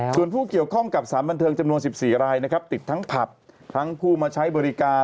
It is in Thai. ส่วนผู้เกี่ยวข้องกับสารบันเทิงจำนวน๑๔รายนะครับติดทั้งผับทั้งผู้มาใช้บริการ